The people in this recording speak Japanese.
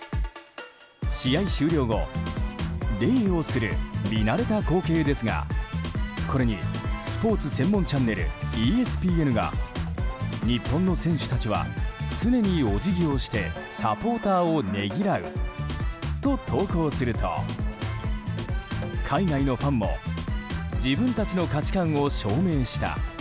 試合終了後礼をする見慣れた光景ですがこれにスポーツ専門チャンネルＥＳＰＮが日本の選手たちは常にお辞儀をしてサポーターをねぎらうと投稿すると海外のファンも自分たちの価値観を証明した。